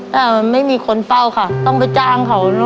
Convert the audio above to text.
แต่ไม่มีคนเฝ้าค่ะต้องไปจ้างเขา